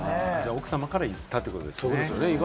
奥様から言ったということですね。